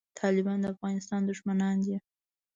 طالبان د افغانستان دښمنان دي